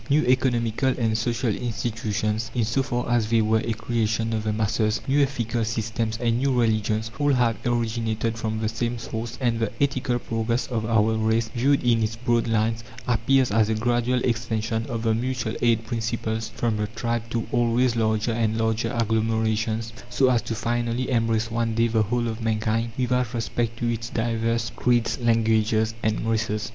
New economical and social institutions, in so far as they were a creation of the masses, new ethical systems, and new religions, all have originated from the same source, and the ethical progress of our race, viewed in its broad lines, appears as a gradual extension of the mutual aid principles from the tribe to always larger and larger agglomerations, so as to finally embrace one day the whole of mankind, without respect to its divers creeds, languages, and races.